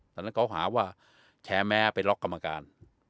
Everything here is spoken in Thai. ตอนนั้นเขาหาว่าแชร์แม้ไปล็อกกรรมการ